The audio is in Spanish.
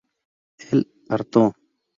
El Arto.